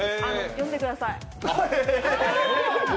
読んでください。